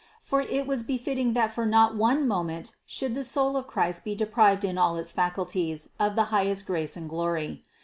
For it was befitting that for not one moment should the soul of Christ be deprived in all its faculties of the high est grace and glory.